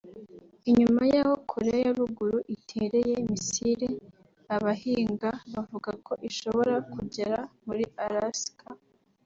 inyuma yaho Korea ya Ruguru itereye "missile" abahinga bavuga ko ishobora kugera muri Alaska